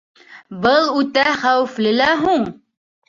Был үтә хәүефле лә һуң!